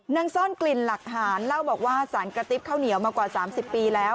นั่งซ่อนกลิ่นหลักฐานเล่าบอกว่าสารกระติ๊บข้าวเหนียวมากว่า๓๐ปีแล้ว